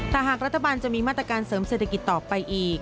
ถ้าหากรัฐบาลจะมีมาตรการเสริมเศรษฐกิจต่อไปอีก